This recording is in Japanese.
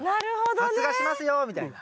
発芽しますよみたいな。